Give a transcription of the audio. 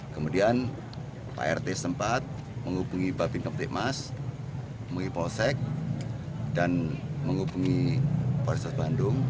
kemudian pak rt sempat menghubungi bapak bintang petik mas menghubungi polsek dan menghubungi polisat bandung